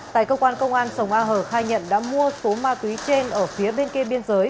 tại cơ quan công an sông a hờ khai nhận đã mua số ma túy trên ở phía bên kia biên giới